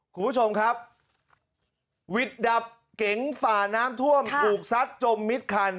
คุณผู้ชมครับวิทย์ดับเก๋งฝ่าน้ำท่วมถูกซัดจมมิดคัน